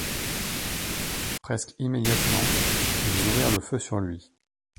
Presque immédiatement, ils ouvrirent le feu sur lui.